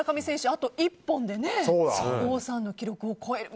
あと１本で王さんの記録を超える。